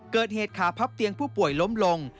เกิดเหตุขาพับเตียงผู้ป่วยล้มลง